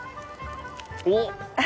おっ！